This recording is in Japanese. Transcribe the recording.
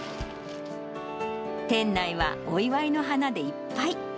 店内はお祝いの花でいっぱい。